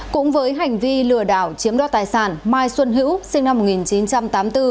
cũng với hành vi lừa đảo chiếm đo tài sản mai xuân hữu sinh năm một nghìn chín trăm tám mươi bốn